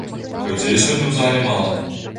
Людзей сёння ў зале мала.